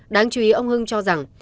đáng chú ý ông hưng cho rằng